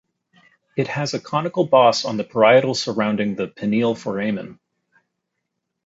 It has a conical boss on the parietal surrounding the pineal foramen.